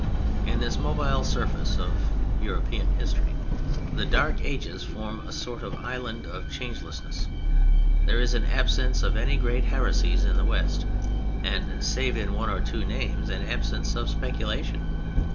In this mobile surface of European history the Dark Ages form a sort of island of changelessness. There is an absence of any great heresies in the West, and, save in one or two names, an absence of speculation.